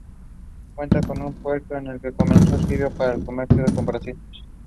To her right and surrounding the piano are fashionably dressed older men.